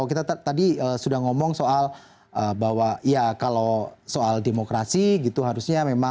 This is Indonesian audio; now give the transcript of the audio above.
orang kaum demokratis ya